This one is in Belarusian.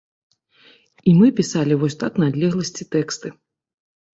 І мы пісалі вось так на адлегласці тэксты.